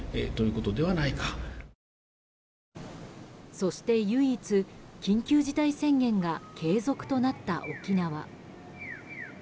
そして唯一、緊急事態宣言が継続となった沖縄。